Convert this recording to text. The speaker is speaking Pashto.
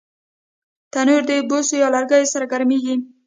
تنور د بوسو یا لرګیو سره ګرمېږي